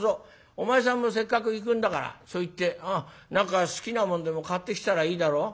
お前さんもせっかく行くんだからそこ行って何か好きなもんでも買ってきたらいいだろ」。